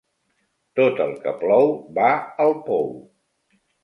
Tot el que plou va al pou.